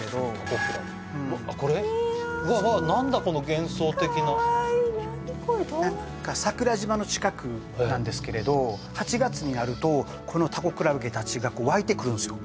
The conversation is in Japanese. わわっ何だこの幻想的なかわいい何これどうなって桜島の近くなんですけれど８月になるとこのタコクラゲたちが湧いてくるんですよ